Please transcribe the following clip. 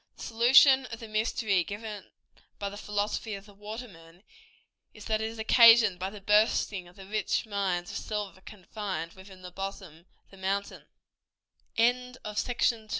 The solution of the mystery given by the philosophy of the watermen is, that it is occasioned by the bursting of the rich mines of silver confined within the bosom of the moun